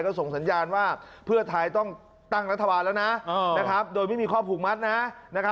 ก็ส่งสัญญาณว่าเพื่อไทยต้องตั้งรัฐบาลแล้วนะโดยไม่มีข้อผูกมัดนะ